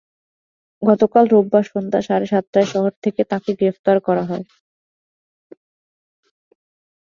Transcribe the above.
গতকাল রোববার সন্ধ্যা সাড়ে সাতটায় শহর থেকে তাঁকে গ্রেপ্তার করা হয়।